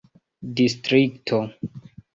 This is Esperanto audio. distrikto